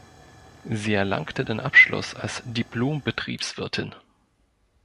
Sie erlangte den Abschluss als Diplom-Betriebswirtin.